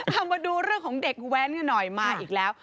เอามาดูเรื่องของเด็กแว้นกันหน่อยมาอีกแล้ว